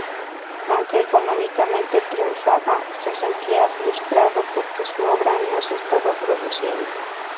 Aunque económicamente triunfaba, se sentía frustrado porque su obra no se estaba produciendo.